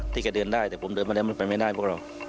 แกเดินได้แต่ผมเดินมาได้มันไปไม่ได้พวกเรา